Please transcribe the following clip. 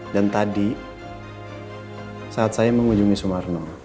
dan tadi saat saya mengunjungi sumarno